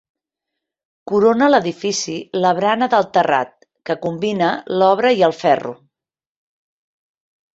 Corona l'edifici la barana del terrat, que combina l'obra i el ferro.